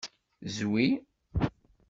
Zwi.